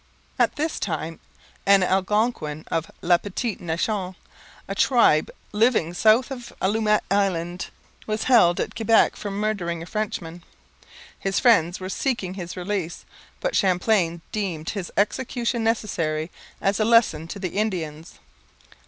At this time an Algonquin of La Petite Nation, a tribe living south of Allumette Island, was held at Quebec for murdering a Frenchman. His friends were seeking his release; but Champlain deemed his execution necessary as a lesson to the Indians.